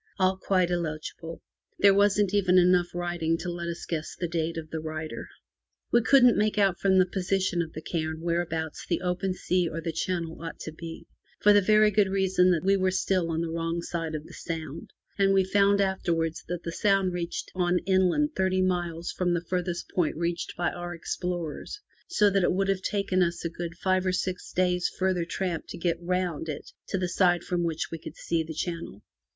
All quite illegible. There wasn't even enough writing left to let us guess the date of the writer. We couldn't make out from the position of the cairn where abouts the open sea or the channel ought to be, for the very good reason that we were still on the wrong side of the Sound, and we found afterwards that the Sound reached on inland thirty miles from the farthest point reached by our explorers, so that it would have taken us a good five or six days farther tramp to get round it to the side from which we could see the channel.